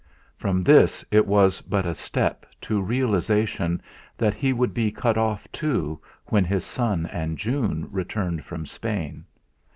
From this it was but a step to realisation that he would be cut off, too, when his son and June returned from Spain.